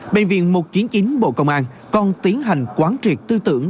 bệnh viện một trăm chín mươi chín bộ công an còn tiến hành quán triệt tư tưởng